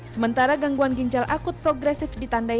sementara gangguan ginjal akut progresif ditandai